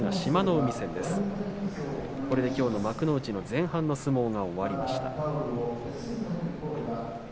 きょうの幕内の前半の相撲が終わりました。